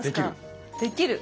「できる」。